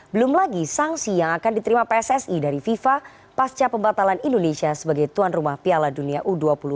belum lagi sanksi yang akan diterima pssi dari fifa pasca pembatalan indonesia sebagai tuan rumah piala dunia u dua puluh dua